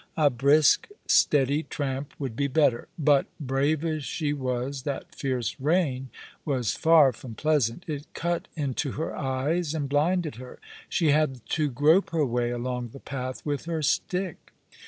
A brisk, steady tramp would be better. But, brave as she was, that fierce rain was far from pleasant. It cut into her eyes and blinded her. She had to groj^e her way along the path with her stick.